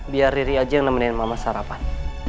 biar diri aja yang nemenin mama sarapan